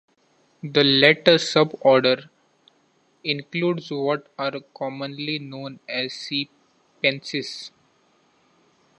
The latter suborder includes what are commonly known as sea pansies.